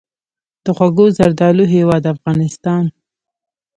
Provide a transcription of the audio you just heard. د خوږو زردالو هیواد افغانستان.